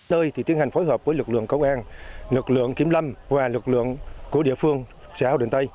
nơi thì tiến hành phối hợp với lực lượng công an lực lượng kiểm lâm và lực lượng của địa phương xã hòa định tây